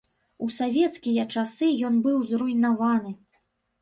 У савецкія часы ён быў зруйнаваны.